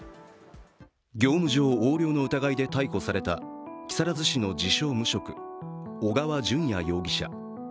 業務上横領の疑いで逮捕された木更津市の自称・無職小川順也容疑者。